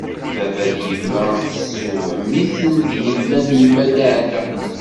Baba d yemma tessewhem-iten tgella n yemma Daɛda.